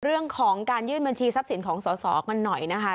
เรื่องของการยื่นบัญชีทรัพย์สินของสอสอกันหน่อยนะคะ